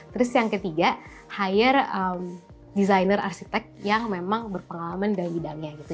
terus yang ketiga hire designer arsitek yang memang berpengalaman dalam bidangnya gitu